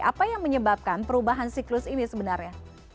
apa yang menyebabkan perubahan siklus ini sebenarnya